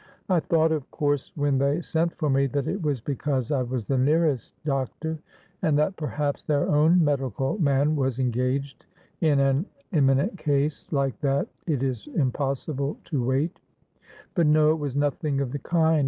"I thought of course when they sent for me that it was because I was the nearest doctor, and that perhaps their own medical man was engaged in an imminent case like that it is impossible to wait but no, it was nothing of the kind.